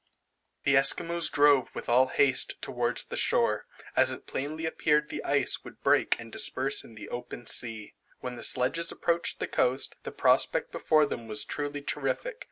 The Esquimaux drove with all haste towards the shore, as it plainly appeared the ice would break and disperse in the open sea. When the sledges approached the coast, the prospect before them was truly terrific.